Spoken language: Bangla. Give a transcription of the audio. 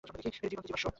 এটি জীবন্ত জীবাশ্ম।